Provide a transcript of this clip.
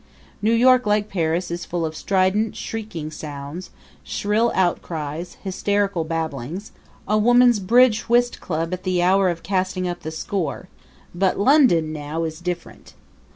New York, like Paris, is full of strident, shrieking sounds, shrill outcries, hysterical babblings a women's bridge whist club at the hour of casting up the score; but London now is different.